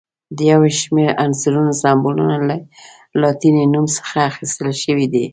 د یو شمېر عنصرونو سمبولونه له لاتیني نوم څخه اخیستل شوي دي.